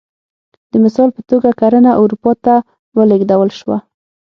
د مثال په توګه کرنه اروپا ته ولېږدول شوه